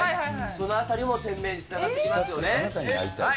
そのあたりも店名につながってきますね。